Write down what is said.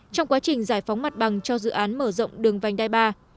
trong quá trình giải phóng mặt bằng cho dự án mở rộng đường vành đai ba